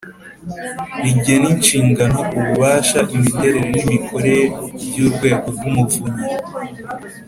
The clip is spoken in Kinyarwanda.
rigena inshingano, ububasha, imiterere n’imikorere by'urwego rw'umuvunyi,